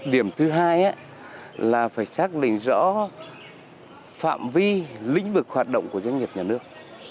điểm thứ hai là phải xác định rõ phạm vi lĩnh vực hoạt động của doanh nghiệp nhà nước